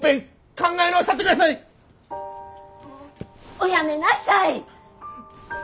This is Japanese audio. おやめなさい！